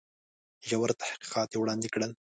ژور تحقیقات یې وړاندي کړل.